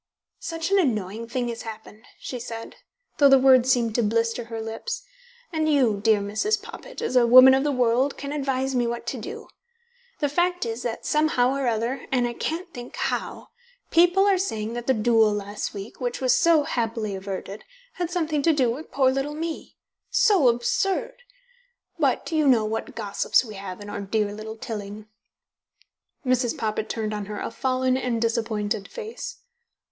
"Such an annoying thing has happened," she said, though the words seemed to blister her lips. "And you, dear Mrs. Poppit, as a woman of the world, can advise me what to do. The fact is that somehow or other, and I can't think how, people are saying that the duel last week, which was so happily averted, had something to do with poor little me. So absurd! But you know what gossips we have in our dear little Tilling." Mrs. Poppit turned on her a fallen and disappointed face.